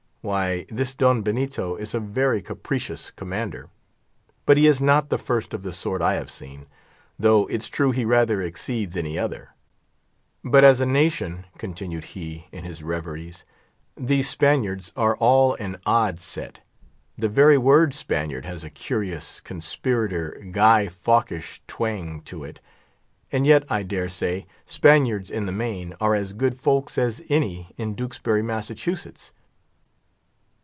Why, Don Benito is a very capricious commander. But he is not the first of the sort I have seen; though it's true he rather exceeds any other. But as a nation—continued he in his reveries—these Spaniards are all an odd set; the very word Spaniard has a curious, conspirator, Guy Fawkish twang to it. And yet, I dare say, Spaniards in the main are as good folks as any in Duxbury, Massachusetts.